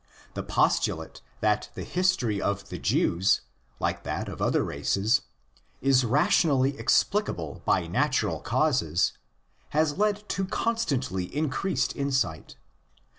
The postulate that the history of the Jews, like that of other races, is rationally explicable by natural causes, has led to constantly increased insight.